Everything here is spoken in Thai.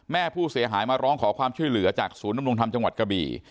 แม่ผู้เสียหายมาร้องขอความช่วยเหลือจากศูนย์นำรงธรรมจังหวัดกะบี่